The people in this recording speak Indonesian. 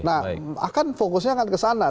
nah akan fokusnya akan ke sana